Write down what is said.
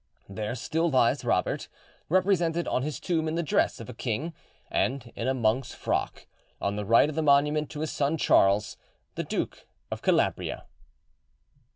There still lies Robert, represented on his tomb in the dress of a king and in a monk's frock, on the right of the monument to his son Charles, the Duke of Calabria.